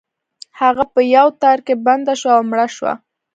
هغه په یو تار کې بنده شوه او مړه شوه.